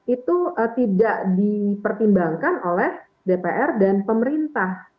itu tidak dipertimbangkan oleh dpr dan pemerintah